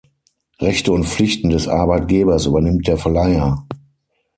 Rechte und Pflichten des Arbeitgebers übernimmt der Verleiher.